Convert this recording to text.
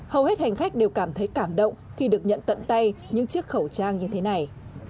hầu hết hành khách đều cảm thấy cảm động khi được nhận tận tay những chiếc khẩu trang như thế này